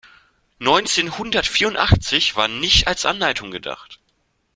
Neunzehnhundertvierundachtzig war nicht als Anleitung gedacht.